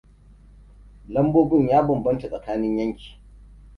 Lambobin ya banbanta tsakanin yanki.